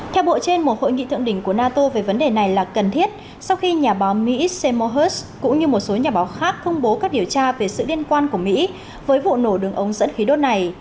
theo bộ trên một hội nghị thượng đỉnh của nato về vấn đề này là cần thiết sau khi nhà báo mỹ semohus cũng như một số nhà báo khác công bố các điều tra về sự liên quan của mỹ với vụ nổ đường ống dẫn khí đốt này